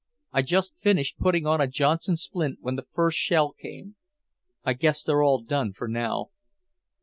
I just finished putting on a Johnson splint when the first shell came. I guess they're all done for now."